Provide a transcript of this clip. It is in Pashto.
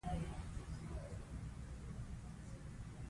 شپه لا نه وي رسېدلې لمر اوچت وي